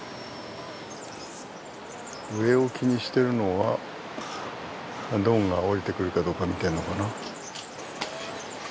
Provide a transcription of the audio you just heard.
上を気にしてるのはドンが下りてくるかどうか見てるのかな？